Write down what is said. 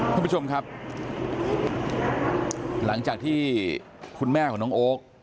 ท่านผู้ชมครับหลังจากที่คุณแม่ของน้องโอ๊ค